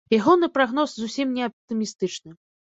Ягоны прагноз зусім не аптымістычны.